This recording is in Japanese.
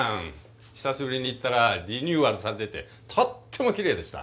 久しぶりに行ったらリニューアルされていてとってもきれいでした。